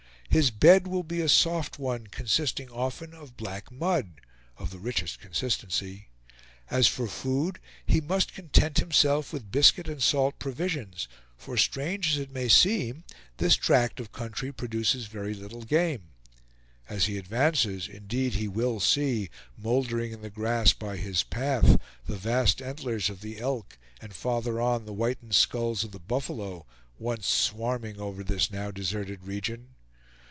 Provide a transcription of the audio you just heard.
His bed will be a soft one, consisting often of black mud, of the richest consistency. As for food, he must content himself with biscuit and salt provisions; for strange as it may seem, this tract of country produces very little game. As he advances, indeed, he will see, moldering in the grass by his path, the vast antlers of the elk, and farther on, the whitened skulls of the buffalo, once swarming over this now deserted region.